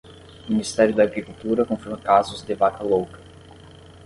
Ministério da Agricultura confirma casos de vaca louca